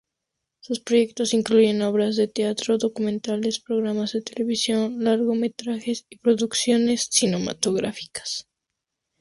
Sus proyectos incluyen obras de teatro, documentales, programas de televisión, largometrajes y producciones cinematográficas.